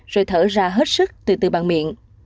rồi thở ra hết sức từ từ bằng miệng